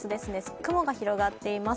雲が広がっています。